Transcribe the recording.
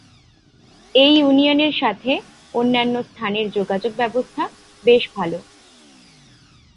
এই ইউনিয়নের সাথে অন্যান্য স্থানের যোগাযোগ ব্যবস্থা বেশ ভালো।